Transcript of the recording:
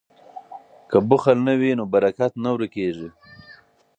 که بخل نه وي نو برکت نه ورکیږي.